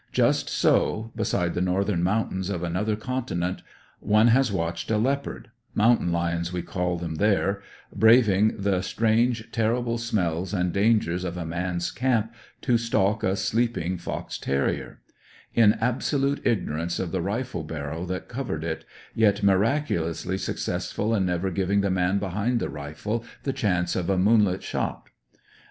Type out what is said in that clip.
Just so, beside the northern mountains of another continent, one has watched a leopard mountain lions we call them there braving the strange terrible smells and dangers of a man's camp, to stalk a sleeping fox terrier; in absolute ignorance of the rifle barrel that covered it, yet miraculously successful in never giving the man behind the rifle the chance of a moonlight shot.